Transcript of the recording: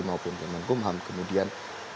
maupun kemenkumham kemudian